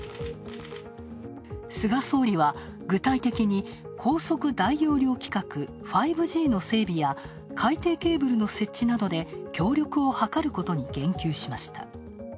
菅総理は具体的に高速大容量規格、５Ｇの整備や海底ケーブルの設置などで協力を図ることに言及しました。